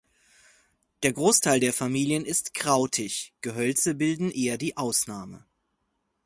Der Großteil der Familien ist krautig, Gehölze bilden eher die Ausnahme.